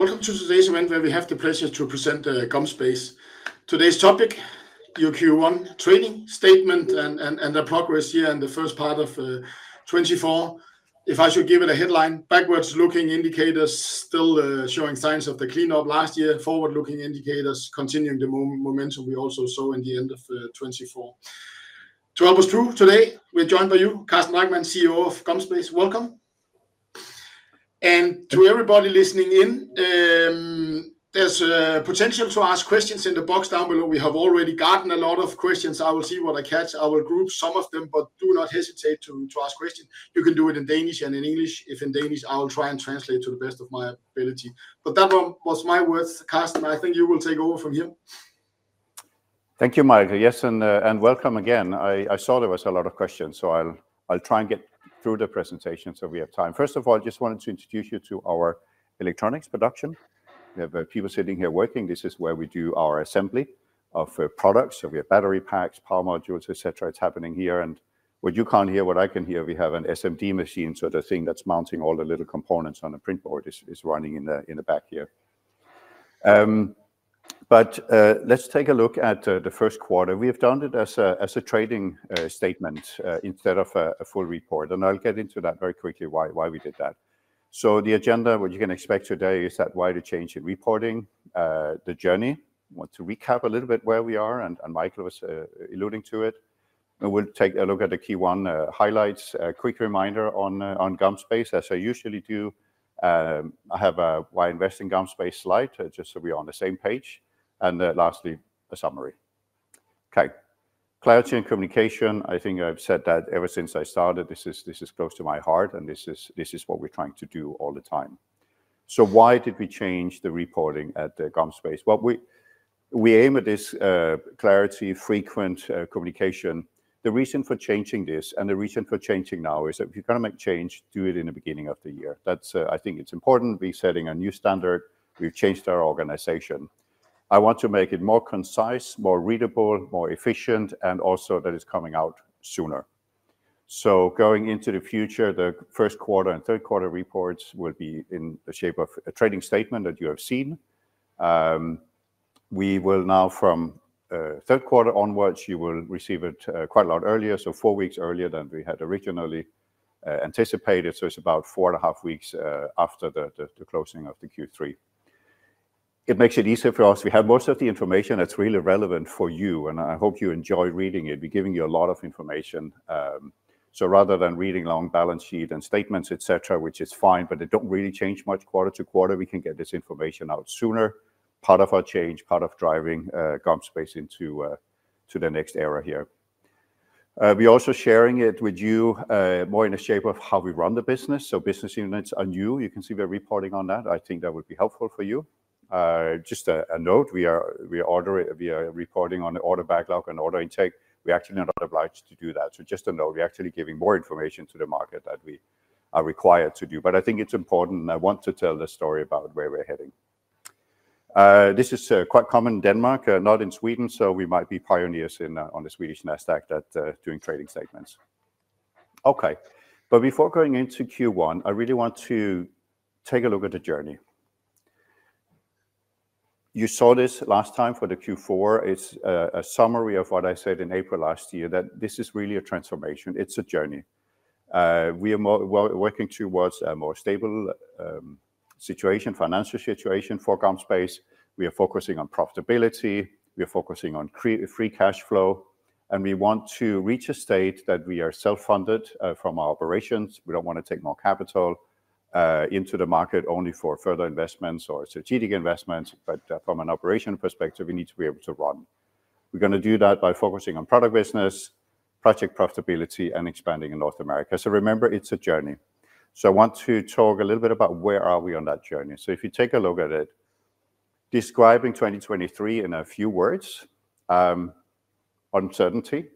Welcome to today's event, where we have the pleasure to present GomSpace. Today's topic, the Q1 trading statement and the progress here in the first part of 2024. If I should give it a headline, backwards-looking indicators still showing signs of the cleanup last year. Forward-looking indicators continuing the momentum we also saw in the end of 2024. To help us through today, we're joined by you, Carsten Drachmann, CEO of GomSpace. Welcome. To everybody listening in, there's a potential to ask questions in the box down below. We have already gotten a lot of questions. I will see what I catch. I will group some of them, but do not hesitate to ask questions. You can do it in Danish and in English. If in Danish, I will try and translate to the best of my ability. But that one was my words, Carsten. I think you will take over from here. Thank you, Michael. Yes, and, and welcome again. I saw there was a lot of questions, so I'll try and get through the presentation so we have time. First of all, just wanted to introduce you to our electronics production. We have people sitting here working. This is where we do our assembly of products. So we have battery packs, power modules, et cetera. It's happening here. And what you can't hear, what I can hear, we have an SMD machine, so the thing that's mounting all the little components on the print board is running in the back here. But let's take a look at the first quarter. We have done it as a trading statement instead of a full report, and I'll get into that very quickly, why we did that. So the agenda, what you can expect today, is the why, the change in reporting, the journey. I want to recap a little bit where we are, and Michael was alluding to it. We'll take a look at the Q1 highlights. A quick reminder on GomSpace, as I usually do. I have a why invest in GomSpace slide, just so we are on the same page, and lastly, a summary. Okay. Clarity and communication, I think I've said that ever since I started. This is, this is close to my heart, and this is, this is what we're trying to do all the time. So why did we change the reporting at the GomSpace? Well, we aim at this clarity, frequent communication. The reason for changing this, and the reason for changing now, is if you're gonna make change, do it in the beginning of the year. That's. I think it's important. We're setting a new standard. We've changed our organization. I want to make it more concise, more readable, more efficient, and also that it's coming out sooner. So going into the future, the first quarter and third quarter reports will be in the shape of a trading statement that you have seen. We will now, from third quarter onwards, you will receive it quite a lot earlier, so four weeks earlier than we had originally anticipated. So it's about four and a half weeks after the closing of the Q3. It makes it easier for us. We have most of the information that's really relevant for you, and I hope you enjoy reading it. We're giving you a lot of information. So rather than reading long balance sheet and statements, et cetera, which is fine, but they don't really change much quarter to quarter, we can get this information out sooner. Part of our change, part of driving GomSpace into the next era here. We're also sharing it with you more in the shape of how we run the business. So business units are new. You can see we're reporting on that. I think that would be helpful for you. Just a note, we are - we report it, we are reporting on the order backlog and order intake. We actually are not obliged to do that. So just a note, we're actually giving more information to the market than we are required to do, but I think it's important, and I want to tell the story about where we're heading. This is quite common in Denmark, not in Sweden, so we might be pioneers in on the Swedish Nasdaq at doing trading statements. Okay, but before going into Q1, I really want to take a look at the journey. You saw this last time for the Q4. It's a summary of what I said in April last year, that this is really a transformation. It's a journey. We are working towards a more stable situation, financial situation for GomSpace. We are focusing on profitability, we are focusing on free cash flow, and we want to reach a state that we are self-funded from our operations. We don't wanna take more capital into the market, only for further investments or strategic investments, but from an operational perspective, we need to be able to run. We're gonna do that by focusing on product business, project profitability, and expanding in North America. So remember, it's a journey. So I want to talk a little bit about where are we on that journey. So if you take a look at it, describing 2023 in a few words, uncertainty.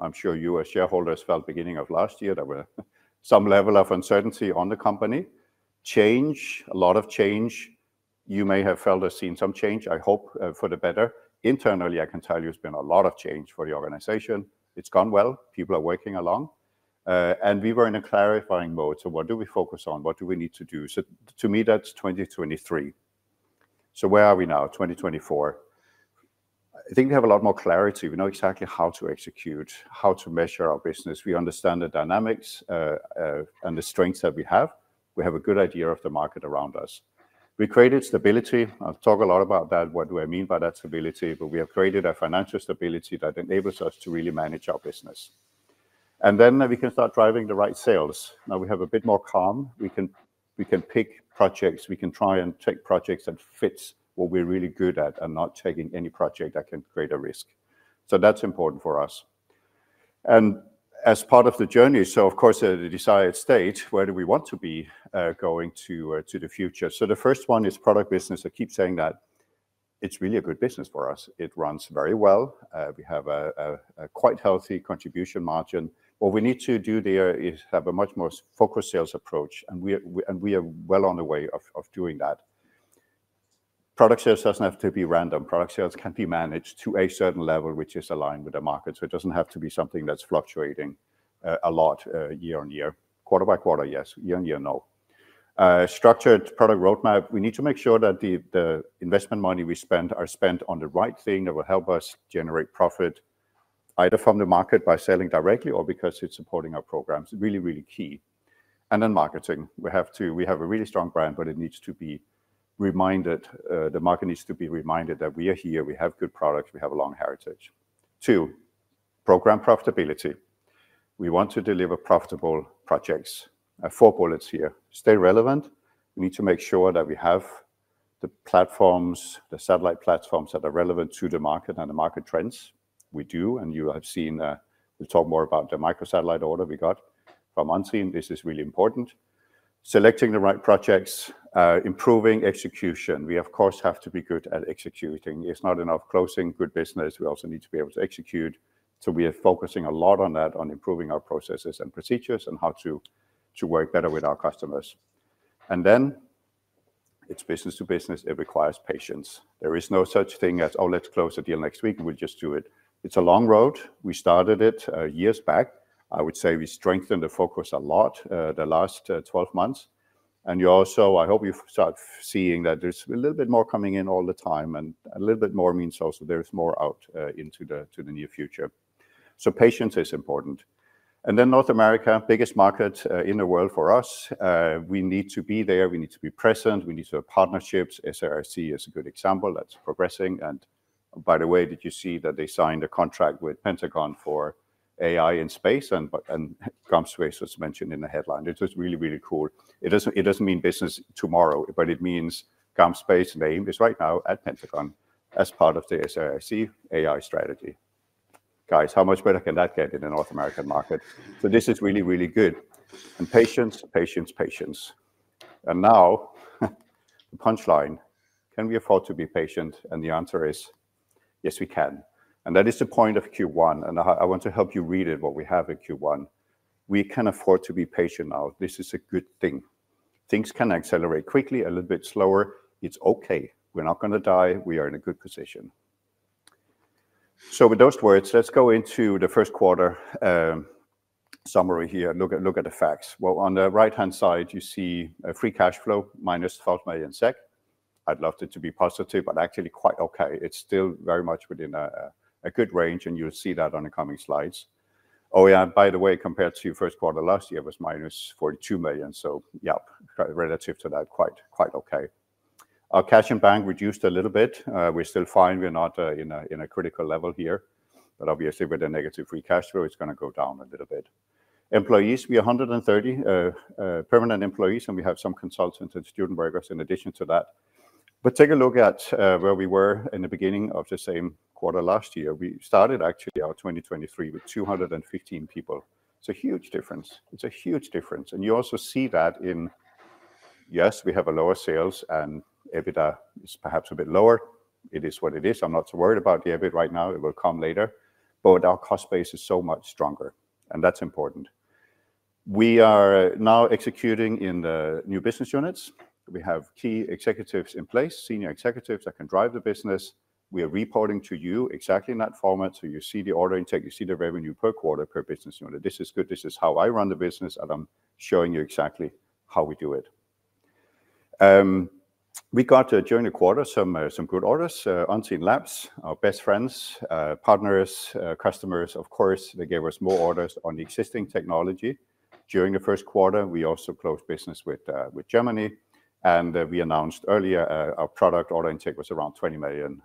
I'm sure you, as shareholders, felt beginning of last year there were some level of uncertainty on the company. Change, a lot of change. You may have felt or seen some change, I hope, for the better. Internally, I can tell you it's been a lot of change for the organization. It's gone well. People are working along. And we were in a clarifying mode, so what do we focus on? What do we need to do? So to me, that's 2023. So where are we now? 2024. I think we have a lot more clarity. We know exactly how to execute, how to measure our business. We understand the dynamics, and the strengths that we have. We have a good idea of the market around us. We created stability. I've talked a lot about that. What do I mean by that stability? But we have created a financial stability that enables us to really manage our business, and then we can start driving the right sales. Now we have a bit more calm. We can pick projects. We can try and take projects that fits what we're really good at, and not taking any project that can create a risk. So that's important for us. As part of the journey, so of course, the desired state, where do we want to be, going to the future? So the first one is product business. I keep saying that it's really a good business for us. It runs very well. We have a quite healthy contribution margin. What we need to do there is have a much more focused sales approach, and we are well on the way of doing that. Product sales doesn't have to be random. Product sales can be managed to a certain level, which is aligned with the market. So it doesn't have to be something that's fluctuating a lot year on year. Quarter by quarter, yes. Year on year, no. Structured product roadmap, we need to make sure that the investment money we spend are spent on the right thing that will help us generate profit, either from the market by selling directly or because it's supporting our programs. Really, really key. And then marketing, we have to, we have a really strong brand, but it needs to be reminded, the market needs to be reminded that we are here, we have good products, we have a long heritage. Two, program profitability. We want to deliver profitable projects. Four bullets here. Stay relevant. We need to make sure that we have the platforms, the satellite platforms that are relevant to the market and the market trends. We do, and you have seen, we'll talk more about the MicroSatellite order we got from Unseen. This is really important. Selecting the right projects, improving execution. We, of course, have to be good at executing. It's not enough closing good business, we also need to be able to execute. So we are focusing a lot on that, on improving our processes and procedures, and how to, to work better with our customers. And then it's business to business, it requires patience. There is no such thing as, "Oh, let's close the deal next week, and we'll just do it." It's a long road. We started it, years back. I would say we strengthened the focus a lot, the last, 12 months. And you also, I hope you've start seeing that there's a little bit more coming in all the time, and a little bit more means also there is more out into the near future. So patience is important. And then North America, biggest market in the world for us. We need to be there, we need to be present, we need to have partnerships. SAIC is a good example that's progressing. And by the way, did you see that they signed a contract with Pentagon for AI in space? And, and GomSpace was mentioned in the headline. It was really, really cool. It doesn't, it doesn't mean business tomorrow, but it means GomSpace name is right now at Pentagon as part of the SAIC AI strategy. Guys, how much better can that get in a North American market? So this is really, really good. And patience, patience, patience. And now, the punchline: Can we afford to be patient? And the answer is, yes, we can. And that is the point of Q1, and I want to help you read it, what we have in Q1. We can afford to be patient now. This is a good thing. Things can accelerate quickly, a little bit slower. It's okay. We're not gonna die. We are in a good position. So with those words, let's go into the first quarter summary here, and look at, look at the facts. Well, on the right-hand side, you see a free cash flow, minus 12 million SEK. I'd love it to be positive, but actually quite okay. It's still very much within a good range, and you'll see that on the coming slides. Oh, yeah, by the way, compared to first quarter last year, it was -42 million. So yeah, relative to that, quite, quite okay. Our cash in bank reduced a little bit. We're still fine. We're not in a critical level here, but obviously, with a negative free cash flow, it's gonna go down a little bit. Employees, we are 130 permanent employees, and we have some consultants and student workers in addition to that. But take a look at where we were in the beginning of the same quarter last year. We started actually our 2023 with 215 people. It's a huge difference. It's a huge difference. And you also see that in... Yes, we have a lower sales, and EBITDA is perhaps a bit lower. It is what it is. I'm not so worried about the EBIT right now, it will come later, but our cost base is so much stronger, and that's important. We are now executing in the new business units. We have key executives in place, senior executives that can drive the business. We are reporting to you exactly in that format, so you see the order intake, you see the revenue per quarter, per business unit. This is good. This is how I run the business, and I'm showing you exactly how we do it. We got during the quarter some good orders. Unseenlabs, our best friends, partners, customers, of course, they gave us more orders on the existing technology. During the first quarter, we also closed business with Germany, and we announced earlier our product order intake was around 20 million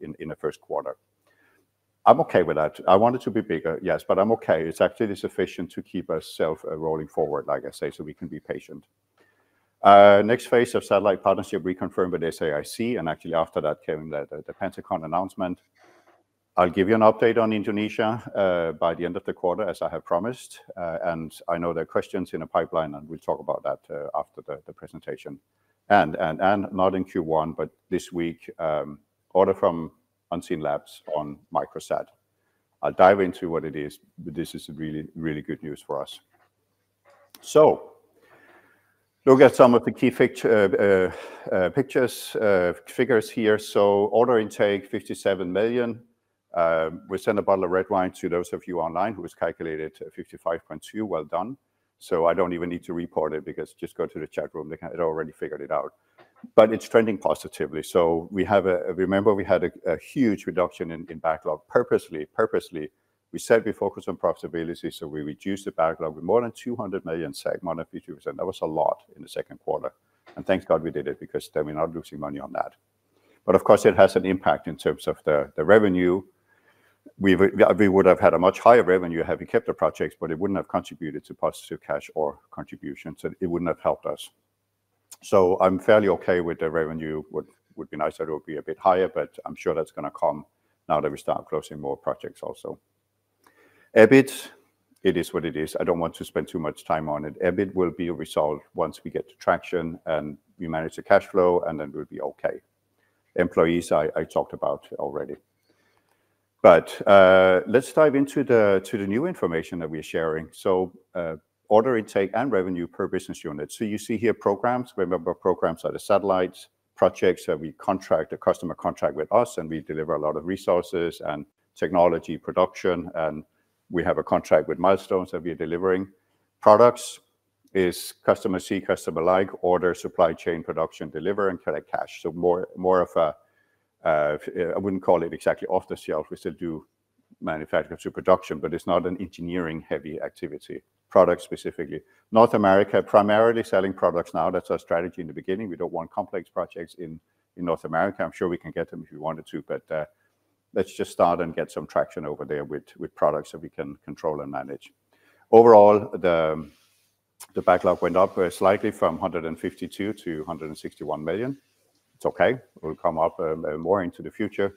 in the first quarter. I'm okay with that. I want it to be bigger, yes, but I'm okay. It's actually sufficient to keep ourself rolling forward, like I say, so we can be patient. Next phase of satellite partnership, we confirmed with SAIC, and actually, after that came the Pentagon announcement. I'll give you an update on Indonesia by the end of the quarter, as I have promised, and I know there are questions in the pipeline, and we'll talk about that after the presentation. And not in Q1, but this week, order from Unseenlabs on MicroSat. I'll dive into what it is, but this is really, really good news for us. So look at some of the key figures here. So order intake, 57 million. We sent a bottle of red wine to those of you online who has calculated 55.2. Well done. So I don't even need to report it, because just go to the chat room, they had already figured it out. But it's trending positively. So, remember, we had a huge reduction in backlog purposely, purposely. We said we focus on profitability, so we reduced the backlog with more than 200 million month-on-year, and that was a lot in the second quarter. And thank God we did it, because then we're not losing money on that. But of course, it has an impact in terms of the revenue. We would have had a much higher revenue had we kept the projects, but it wouldn't have contributed to positive cash or contributions, and it wouldn't have helped us. So I'm fairly okay with the revenue. Would be nicer it would be a bit higher, but I'm sure that's gonna come now that we start closing more projects also. EBIT, it is what it is. I don't want to spend too much time on it. EBIT will be resolved once we get to traction and we manage the cash flow, and then we'll be okay. Employees, I talked about already. But let's dive into the new information that we are sharing. So, order intake and revenue per business unit. So you see here programs, remember, programs are the satellites, projects that we contract, a customer contract with us, and we deliver a lot of resources and technology production, and we have a contract with milestones that we are delivering. Products is customer see, customer like, order, supply chain, production, deliver, and collect cash. So more, more of a, I wouldn't call it exactly off the shelf, we still do manufacturing to production, but it's not an engineering-heavy activity, product specifically. North America, primarily selling products now, that's our strategy in the beginning. We don't want complex projects in, in North America. I'm sure we can get them if we wanted to, but let's just start and get some traction over there with, with products that we can control and manage. Overall, the backlog went up slightly from 152 million to 161 million. It's okay, it will come up more into the future.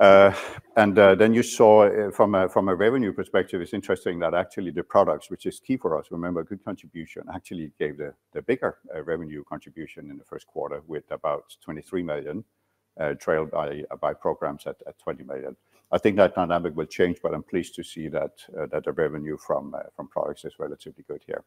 And then you saw from a, from a revenue perspective, it's interesting that actually the products, which is key for us, remember, good contribution, actually gave the bigger revenue contribution in the first quarter, with about 23 million, trailed by programs at 20 million. I think that dynamic will change, but I'm pleased to see that the revenue from products is relatively good here.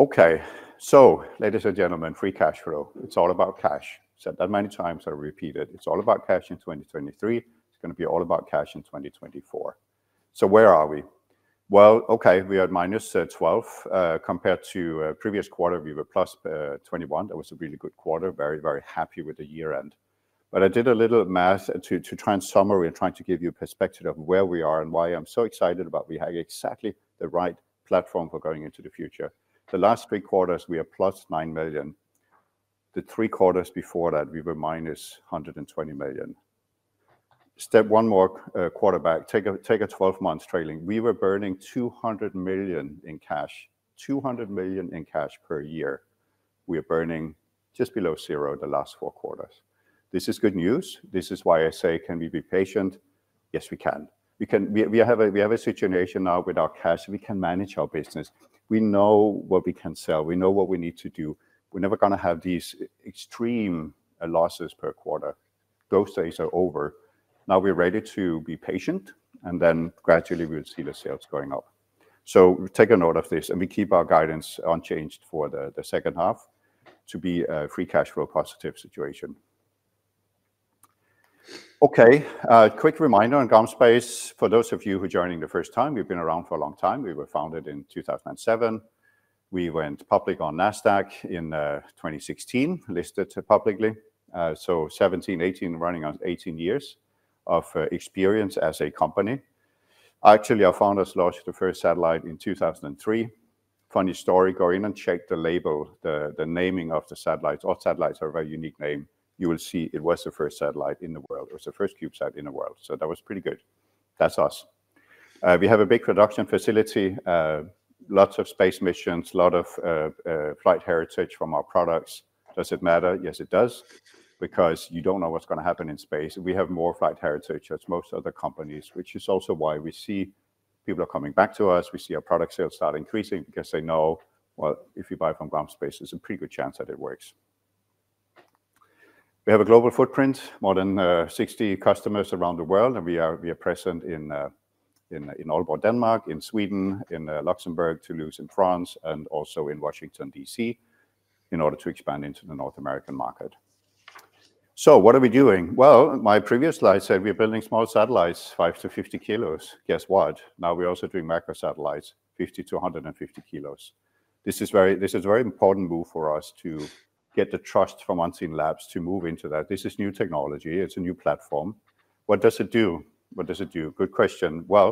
Okay. So, ladies and gentlemen, free cash flow, it's all about cash. Said that many times, I repeat it, it's all about cash in 2023, it's gonna be all about cash in 2024. So where are we? Well, okay, we are minus 12, compared to previous quarter, we were plus 21. That was a really good quarter. Very, very happy with the year end. But I did a little math to try and summarize and trying to give you a perspective of where we are, and why I'm so excited about we have exactly the right platform for going into the future. The last three quarters, we are plus 9 million. The three quarters before that, we were minus 120 million. Step 1 more quarter back, take a 12-month trailing. We were burning 200 million in cash, 200 million in cash per year. We are burning just below zero the last 4 quarters. This is good news. This is why I say: Can we be patient? Yes, we can. We can. We have a situation now with our cash, we can manage our business. We know what we can sell. We know what we need to do. We're never gonna have these extreme losses per quarter. Those days are over. Now, we're ready to be patient, and then gradually we'll see the sales going up. So take a note of this, and we keep our guidance unchanged for the second half to be a free cash flow positive situation. Okay, a quick reminder on GomSpace, for those of you who are joining the first time, we've been around for a long time. We were founded in 2007. We went public on Nasdaq in 2016, listed publicly. So 17, 18, running on 18 years of experience as a company. Actually, our founders launched the first satellite in 2003. Funny story, go in and check the label, the naming of the satellites. All satellites are a very unique name. You will see it was the first satellite in the world, it was the first CubeSat in the world, so that was pretty good. That's us. We have a big production facility, lots of space missions, flight heritage from our products. Does it matter? Yes, it does, because you don't know what's gonna happen in space. We have more flight heritage than most other companies, which is also why we see people are coming back to us. We see our product sales start increasing because they know, well, if you buy from GomSpace, there's a pretty good chance that it works. We have a global footprint, more than 60 customers around the world, and we are present in Aalborg, Denmark, in Sweden, in Luxembourg, Toulouse in France, and also in Washington, D.C., in order to expand into the North American market. So what are we doing? Well, my previous slide said we're building small satellites, 5-50 kilos. Guess what? Now, we're also doing microsatellites, 50-150 kilos. This is a very important move for us to get the trust from Unseenlabs to move into that. This is new technology, it's a new platform. What does it do? What does it do? Good question. Well,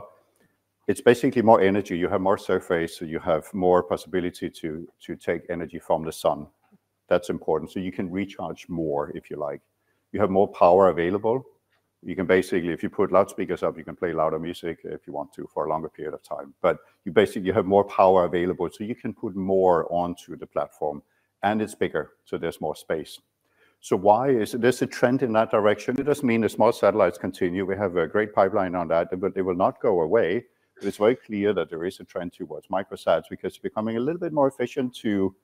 it's basically more energy. You have more surface, so you have more possibility to take energy from the sun. That's important. So you can recharge more if you like. You have more power available. You can basically, if you put loudspeakers up, you can play louder music if you want to, for a longer period of time. But you basically, you have more power available, so you can put more onto the platform, and it's bigger, so there's more space. So why is this a trend in that direction? It doesn't mean the small satellites continue. We have a great pipeline on that, but they will not go away. But it's very clear that there is a trend towards MicroSats, because it's becoming a little bit more efficient to,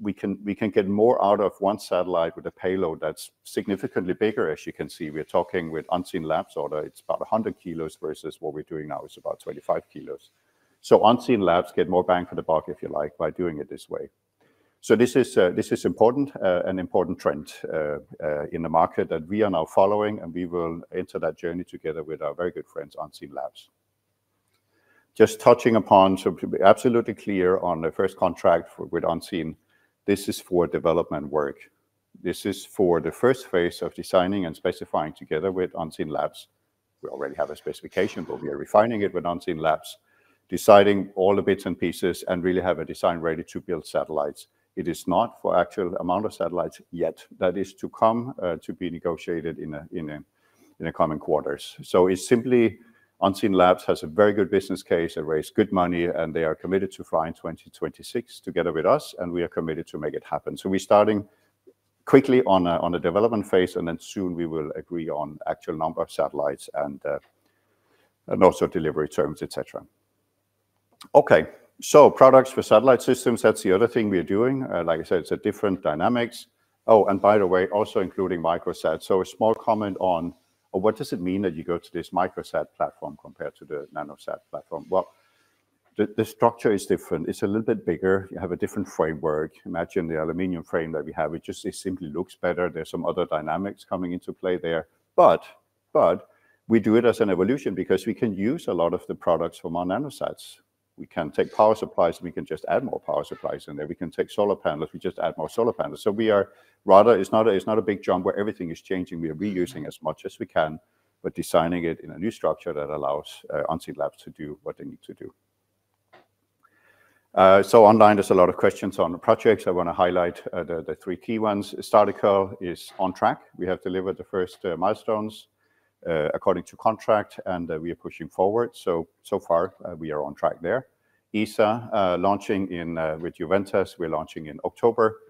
we can, we can get more out of one satellite with a payload that's significantly bigger. As you can see, we're talking with Unseenlabs order, it's about 100 kilos, versus what we're doing now is about 25 kilos. So Unseenlabs get more bang for the buck, if you like, by doing it this way. So this is, this is important, an important trend, in the market that we are now following, and we will enter that journey together with our very good friends, Unseenlabs. Just touching upon, so to be absolutely clear on the first contract with Unseenlabs, this is for development work. This is for the first phase of designing and specifying together with Unseenlabs. We already have a specification, but we are refining it with Unseenlabs, deciding all the bits and pieces, and really have a design ready to build satellites. It is not for actual amount of satellites yet. That is to come, to be negotiated in the coming quarters. So it's simply Unseenlabs has a very good business case. They raised good money, and they are committed to fly in 2026 together with us, and we are committed to make it happen. So we're starting quickly on a development phase, and then soon we will agree on actual number of satellites and, and also delivery terms, et cetera. Okay, so products for satellite systems, that's the other thing we are doing. Like I said, it's a different dynamics. Oh, and by the way, also including MicroSat. So a small comment on what does it mean that you go to this MicroSat platform compared to the NanoSat platform? Well, the structure is different. It's a little bit bigger. You have a different framework. Imagine the aluminum frame that we have, it just it simply looks better. There's some other dynamics coming into play there. But we do it as an evolution because we can use a lot of the products from our NanoSats. We can take power supplies, and we can just add more power supplies in there. We can take solar panels, we just add more solar panels. So, rather, it's not a big jump where everything is changing. We are reusing as much as we can, but designing it in a new structure that allows Unseenlabs to do what they need to do. So, online, there's a lot of questions on the projects. I wanna highlight the three key ones. Startical is on track. We have delivered the first milestones according to contract, and we are pushing forward. So far, we are on track there. ESA launching in with Juventas, we're launching in October.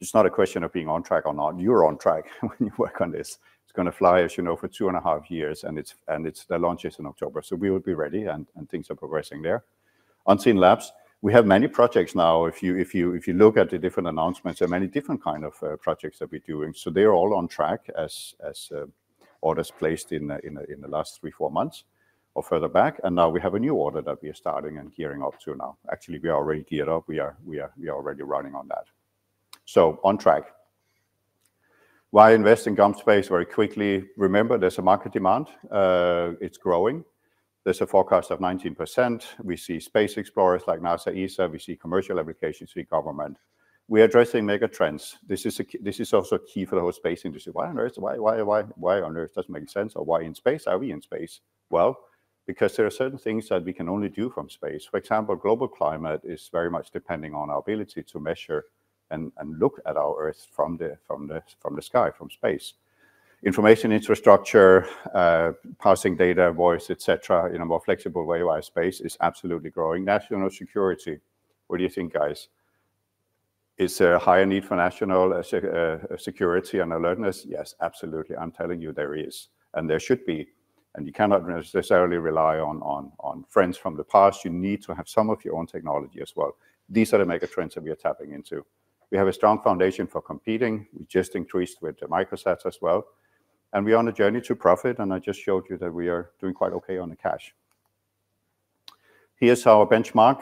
It's not a question of being on track or not. You're on track when you work on this. It's gonna fly, as you know, for 2.5 years, and it's the launch is in October, so we will be ready and things are progressing there. Unseenlabs, we have many projects now. If you look at the different announcements, there are many different kind of projects that we're doing. So they're all on track as orders placed in the last three, four months or further back, and now we have a new order that we are starting and gearing up to now. Actually, we are already geared up. We are already running on that. So on track. Why invest in GomSpace? Very quickly, remember, there's a market demand. It's growing. There's a forecast of 19%. We see space explorers like NASA, ESA, we see commercial applications, we government. We are addressing mega trends. This is also key for the whole space industry. Why on earth? Why, why, why, why on earth? Doesn't make sense, or why in space? Are we in space? Well, because there are certain things that we can only do from space. For example, global climate is very much depending on our ability to measure and look at our Earth from the sky, from space. Information infrastructure, passing data, voice, et cetera, in a more flexible way via space is absolutely growing. National security. What do you think, guys? Is there a higher need for national security and alertness? Yes, absolutely. I'm telling you there is, and there should be, and you cannot necessarily rely on friends from the past. You need to have some of your own technology as well. These are the mega trends that we are tapping into. We have a strong foundation for competing. We just increased with the MicroSats as well, and we're on a journey to profit, and I just showed you that we are doing quite okay on the cash. Here's our benchmark.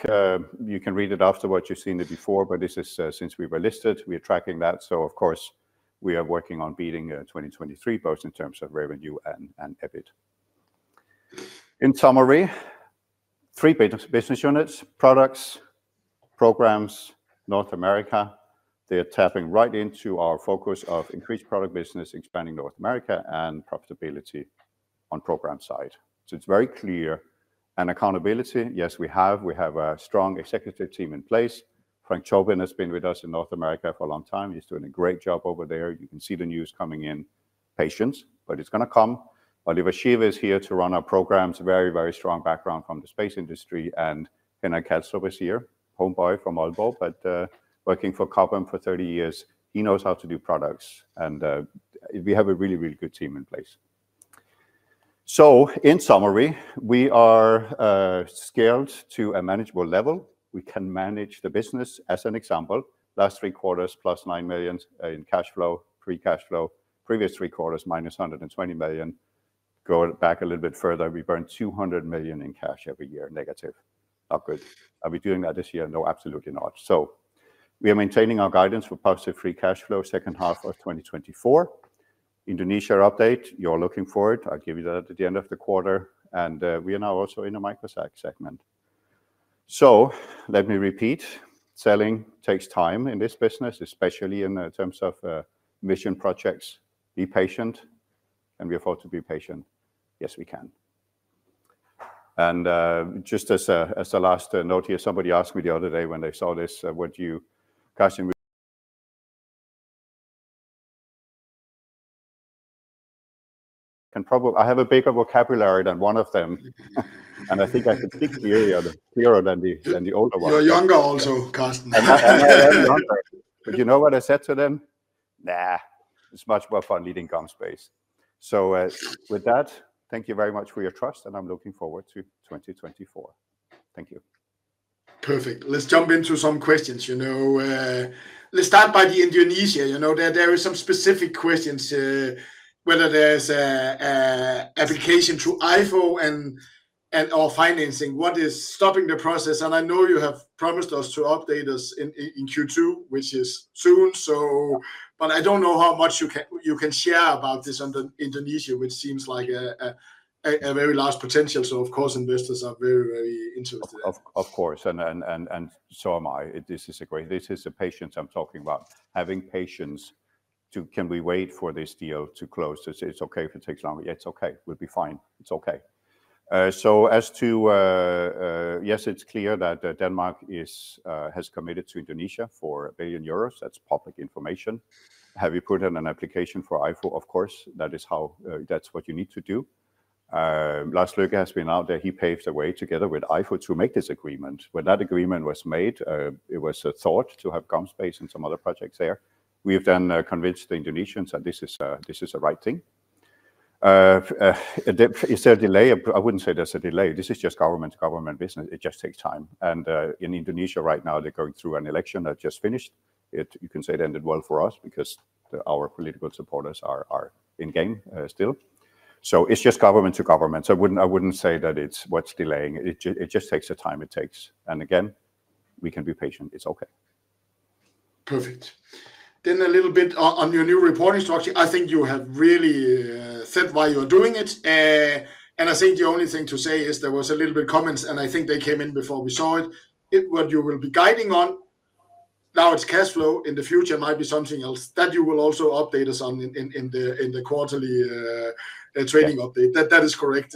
You can read it after what you've seen it before, but this is, since we were listed, we are tracking that. So of course, we are working on beating 2023, both in terms of revenue and EBIT. In summary, three business units, products, programs, North America. They are tapping right into our focus of increased product business, expanding North America, and profitability on program side. So it's very clear. And accountability, yes, we have. We have a strong executive team in place. Frank Tobin has been with us in North America for a long time. He's doing a great job over there. You can see the news coming in. Patience, but it's gonna come. Oliver Schiewe is here to run our programs. Very, very strong background from the space industry, and Henrik Kalstrup is here, homeboy from Aalborg, but working for Cobham for 30 years. He knows how to do products, and we have a really, really good team in place. So in summary, we are scaled to a manageable level. We can manage the business as an example. Last three quarters, +9 million in cash flow, free cash flow. Previous three quarters, minus 120 million. Going back a little bit further, we burned 200 million in cash every year, negative. Not good. Are we doing that this year? No, absolutely not. So we are maintaining our guidance for positive free cash flow, second half of 2024. Indonesia update, you're looking for it. I'll give you that at the end of the quarter, and we are now also in a MicroSat segment. So let me repeat, selling takes time in this business, especially in terms of mission projects. Be patient, and we afford to be patient. Yes, we can. And, just as a last note here, somebody asked me the other day when they saw this, "Would you, Carsten, ...?" I can probably, I have a bigger vocabulary than one of them, and I think I can speak clearer than the older one. You're younger also, Carsten. I am younger. But you know what I said to them? "Nah, it's much more fun leading GomSpace." So, with that, thank you very much for your trust, and I'm looking forward to 2024. Thank you. Perfect. Let's jump into some questions. You know, let's start by the Indonesia. You know, there is some specific questions, whether there's a application through IFC and/or financing, what is stopping the process? And I know you have promised us to update us in Q2, which is soon, so... But I don't know how much you can share about this on the Indonesia, which seems like a very large potential. So of course, investors are very interested. Of course, and so am I. This is great. This is the patience I'm talking about, having patience to, can we wait for this deal to close? It's okay if it takes longer. It's okay. We'll be fine. It's okay. So, yes, it's clear that Denmark has committed to Indonesia for 1 billion euros. That's public information. Have you put in an application for IFC? Of course, that is how, that's what you need to do. Lars Løkke Rasmussen has been out there. He paves the way together with IFC to make this agreement. When that agreement was made, it was a thought to have GomSpace and some other projects there. We have then convinced the Indonesians that this is, this is the right thing. Is there a delay? I wouldn't say there's a delay. This is just government business. It just takes time, and in Indonesia right now, they're going through an election that just finished. You can say it ended well for us because our political supporters are in game still. So it's just government to government. So I wouldn't say that it's what's delaying. It just takes the time it takes, and again, we can be patient. It's okay. Perfect. Then a little bit on your new reporting structure. I think you have really said why you are doing it. And I think the only thing to say is there was a little bit comments, and I think they came in before we saw it. What you will be guiding on, now, it's cash flow, in the future might be something else. That you will also update us on in the quarterly trading update. Yeah. That, that is correct.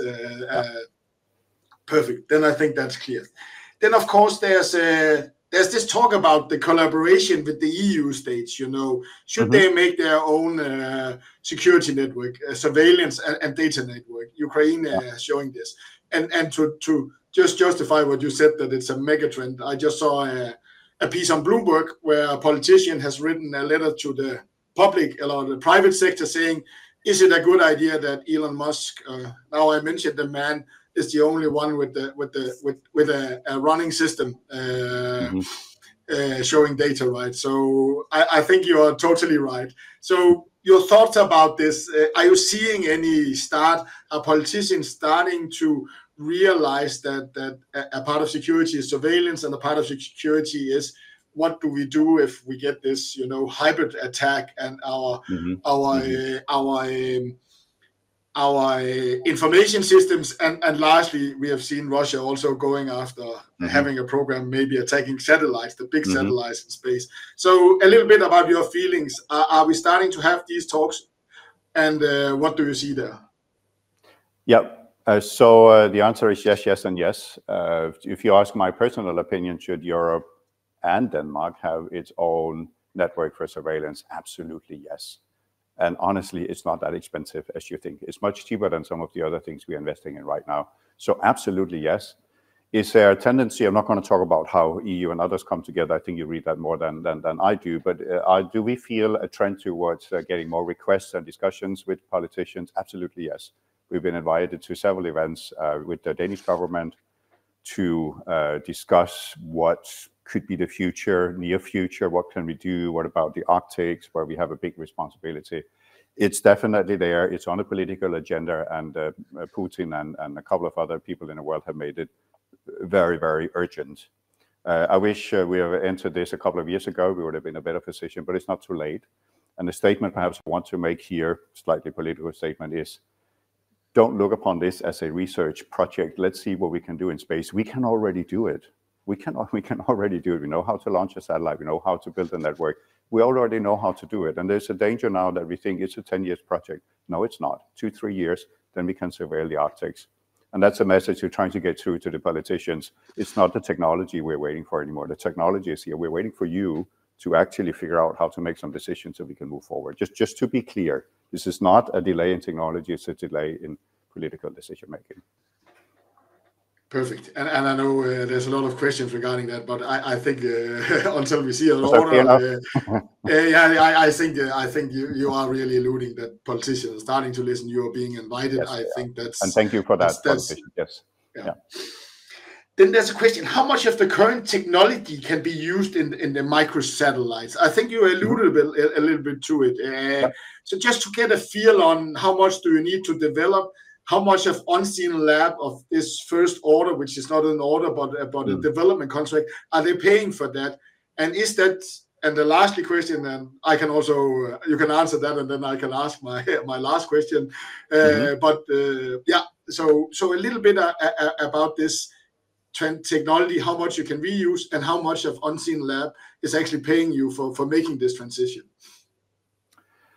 Perfect. Then I think that's clear. Then, of course, there's this talk about the collaboration with the EU States, you know- Mm-hmm Should they make their own security network, surveillance, and data network? Yeah. Ukraine are showing this. And to just justify what you said, that it's a mega trend. I just saw a piece on Bloomberg where a politician has written a letter to the public, a lot of the private sector, saying, "Is it a good idea that Elon Musk..." Now I mentioned the man is the only one with a running system. Mm-hmm Showing data, right? So I think you are totally right. So your thoughts about this, are you seeing any start politicians starting to realize that a part of security is surveillance, and a part of security is what do we do if we get this, you know, hybrid attack and our- Mm-hmm, mm-hmm Our information systems? And lastly, we have seen Russia also going after- Mm-hmm Having a program, maybe attacking satellites- Mm-hmm The big satellites in space. So a little bit about your feelings. Are we starting to have these talks, and what do you see there? Yep. So, the answer is yes, yes, and yes. If you ask my personal opinion, should Europe and Denmark have its own network for surveillance? Absolutely, yes. And honestly, it's not that expensive as you think. It's much cheaper than some of the other things we're investing in right now. So absolutely, yes. Is there a tendency? I'm not gonna talk about how EU and others come together. I think you read that more than I do. But, do we feel a trend towards, getting more requests and discussions with politicians? Absolutely, yes. We've been invited to several events, with the Danish government to, discuss what could be the future, near future, what can we do, what about the Arctic, where we have a big responsibility. It's definitely there. It's on the political agenda, and Putin and a couple of other people in the world have made it very, very urgent. I wish we have entered this a couple of years ago. We would have been in a better position, but it's not too late. And the statement perhaps want to make here, slightly political statement is, don't look upon this as a research project. Let's see what we can do in space. We can already do it. We can already do it. We know how to launch a satellite. We know how to build a network. We already know how to do it, and there's a danger now that we think it's a 10 years project. No, it's not. Two, three years, then we can surveil the Arctic, and that's a message we're trying to get through to the politicians. It's not the technology we're waiting for anymore. The technology is here. We're waiting for you to actually figure out how to make some decisions so we can move forward. Just, just to be clear, this is not a delay in technology, it's a delay in political decision-making. Perfect. I know there's a lot of questions regarding that, but I think, until we see a lot of- Fair enough. Yeah, I think you are really alluding that politicians are starting to listen. You are being invited. Yes. I think that's- Thank you for that, politicians. That's, that's- Yes. Yeah. Then there's a question: How much of the current technology can be used in the MicroSatellites? I think you alluded a little, a little bit to it. Yeah. So just to get a feel on how much do you need to develop, how much of Unseenlabs of this first order, which is not an order, but Mm But a development contract. Are they paying for that, and is that… And the last question, then, I can also… You can answer that, and then I can ask my, my last question. Mm-hmm. But yeah. So a little bit about this technology, how much you can reuse and how much of Unseenlabs is actually paying you for making this transition?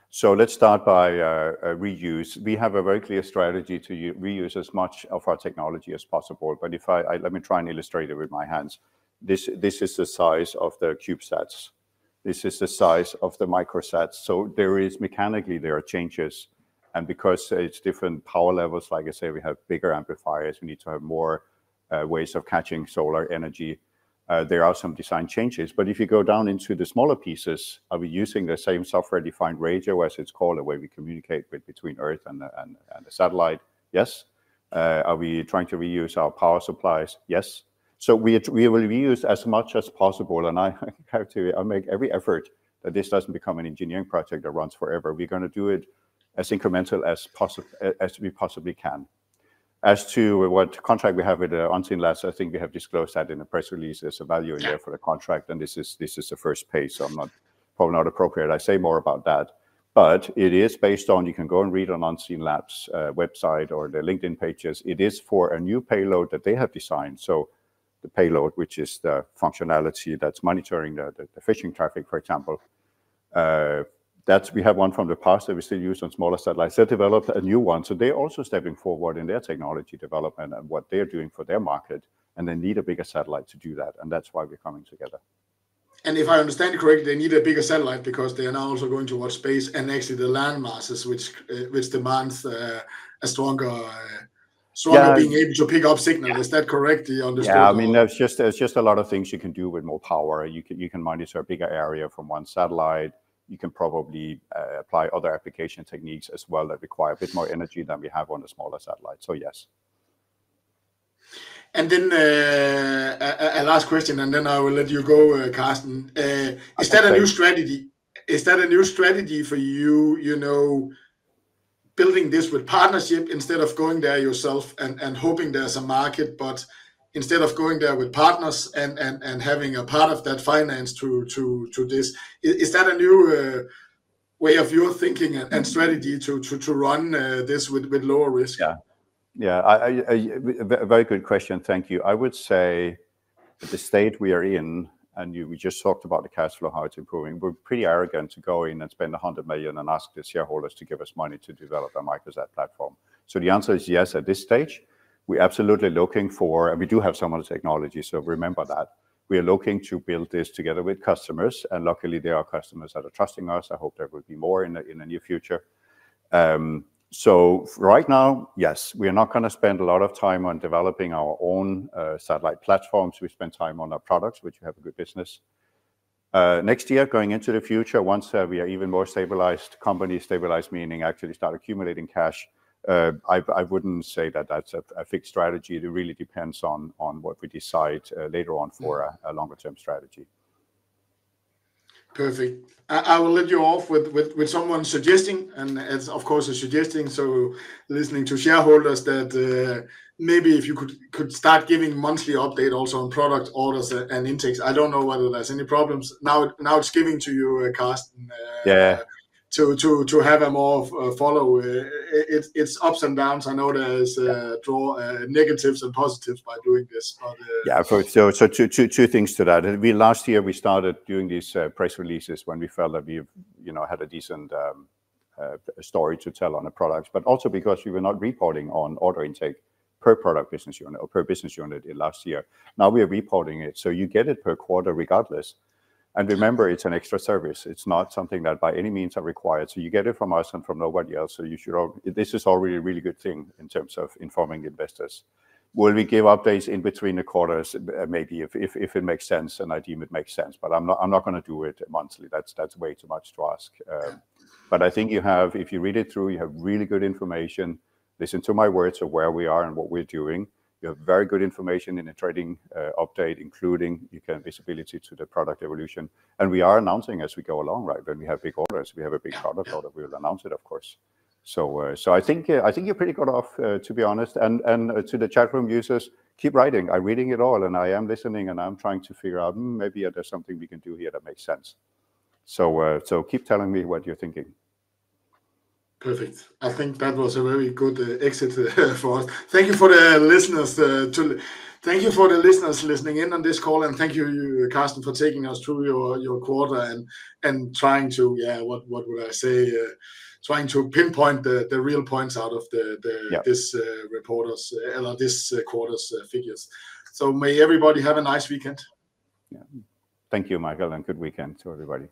So let's start by reuse. We have a very clear strategy to reuse as much of our technology as possible. But if I... Let me try and illustrate it with my hands. This is the size of the CubeSats. This is the size of the MicroSats. So mechanically, there are changes, and because it's different power levels, like I say, we have bigger amplifiers, we need to have more ways of catching solar energy. There are some design changes. But if you go down into the smaller pieces, are we using the same software-defined radio, as it's called, the way we communicate with between Earth and the satellite? Yes. Are we trying to reuse our power supplies? Yes. So we, we will reuse as much as possible, and I, I have to, I'll make every effort that this doesn't become an engineering project that runs forever. We're gonna do it as incremental as we possibly can. As to what contract we have with Unseenlabs, I think we have disclosed that in the press release. There's a value in there- Yeah For the contract, and this is the first page, so I'm not, probably not appropriate I say more about that. But it is based on, you can go and read on Unseenlabs website or their LinkedIn pages. It is for a new payload that they have designed. So the payload, which is the functionality that's monitoring the fishing traffic, for example, that's we have one from the past that we still use on smaller satellites. They developed a new one, so they're also stepping forward in their technology development and what they're doing for their market, and they need a bigger satellite to do that, and that's why we're coming together. If I understand you correctly, they need a bigger satellite because they are now also going to watch space and actually the land masses, which demands, so being able to pick up signal, is that correct? Do you understand- Yeah, I mean, there's just, there's just a lot of things you can do with more power. You can, you can monitor a bigger area from one satellite. You can probably apply other application techniques as well that require a bit more energy than we have on the smaller satellite. So yes. And then, a last question, and then I will let you go, Carsten. Okay. Is that a new strategy for you, you know, building this with partnership instead of going there yourself and having a part of that finance through to this? Is that a new way of your thinking and strategy to run this with lower risk? Yeah. Yeah, a very good question. Thank you. I would say at the state we are in, and you, we just talked about the cash flow, how it's improving. We're pretty arrogant to go in and spend 100 million and ask the shareholders to give us money to develop a MicroSat platform. So the answer is yes, at this stage, we're absolutely looking for... And we do have some of the technology, so remember that. We are looking to build this together with customers, and luckily there are customers that are trusting us. I hope there will be more in the near future. So right now, yes, we are not gonna spend a lot of time on developing our own satellite platforms. We spend time on our products, which have a good business. Next year, going into the future, once we are even more stabilized, company stabilized, meaning actually start accumulating cash, I, I wouldn't say that that's a, a fixed strategy. It really depends on, on what we decide later on for- Yeah... a longer-term strategy. Perfect. I will let you off with someone suggesting, and it's of course a suggesting, so listening to shareholders that maybe if you could start giving monthly update also on product orders and intakes. I don't know whether there's any problems. Now it's giving to you, Carsten. Yeah To have a more follow. It's ups and downs. I know there's drawbacks and positives by doing this, but- Yeah. So two things to that. We last year started doing these press releases when we felt that we've, you know, had a decent story to tell on the products, but also because we were not reporting on order intake per product business unit or per business unit in last year. Now we are reporting it, so you get it per quarter regardless. And remember, it's an extra service. It's not something that by any means are required. So you get it from us and from nobody else, so you should all... This is already a really good thing in terms of informing investors. Will we give updates in between the quarters? Maybe if it makes sense, and I deem it makes sense, but I'm not gonna do it monthly. That's way too much to ask. But I think you have, if you read it through, you have really good information. Listen to my words of where we are and what we're doing. You have very good information in the trading update, including you can visibility to the product evolution. And we are announcing as we go along, right? When we have big orders, we have a big product order, we'll announce it, of course. So, so I think, I think you're pretty good off, to be honest. And, and to the chat room users, keep writing. I'm reading it all, and I am listening, and I'm trying to figure out, maybe there's something we can do here that makes sense. So, so keep telling me what you're thinking. Perfect. I think that was a very good exit for us. Thank you for the listeners listening in on this call, and thank you, Carsten, for taking us through your quarter and trying to pinpoint the real points out of the- Yeah This quarter's, or this quarter's figures. So may everybody have a nice weekend. Yeah. Thank you, Michael, and good weekend to everybody.